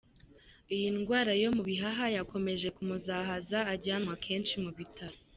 Iyi ndwara yo mu bihaha yakomeje kumuzahaza ajyanwa kenshi mu bitaro.